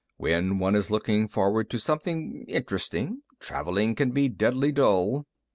When one is looking forward to something interesting, traveling can be deadly dull."